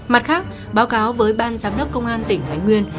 mặt khác báo cáo với ban giám đốc công an tỉnh thái nguyên